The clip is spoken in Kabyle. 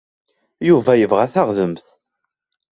Yuba yebɣa taɣdemt.